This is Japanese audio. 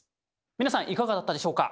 皆さんいかがだったでしょうか。